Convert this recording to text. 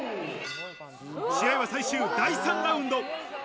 試合は最終第３ラウンド。